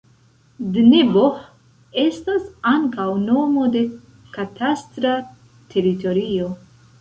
Dneboh estas ankaŭ nomo de katastra teritorio.